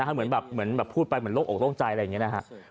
เหมือนแบบพูดไปเหมือนโรคโอกล่องใจอะไรอย่างนี้นะครับ